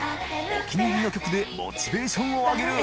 お気に入りの曲でモチベーションを上げる）